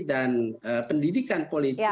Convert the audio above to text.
dan pendidikan politik